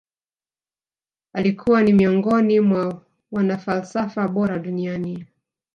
Alikuwa ni miongoni mwa wanafalsafa bora duniani